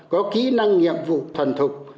có kỹ năng nghiệm vụ thuần thục